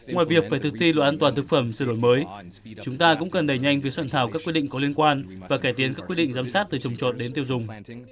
ngoài việc phải thực thi luật an toàn thực phẩm sửa đổi mới chúng ta cũng cần đẩy nhanh việc soạn thảo các quy định có liên quan và cải tiến các quyết định giám sát từ trồng trọt đến tiêu dùng